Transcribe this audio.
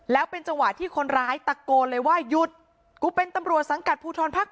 แล้วเป็นจังหวะที่คนร้ายตะโกนเลยว่าหยุดกูเป็นตำรวจสังกัดภูทรภาค๘